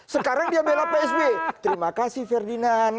sekarang dia bela psb terima kasih ferdinand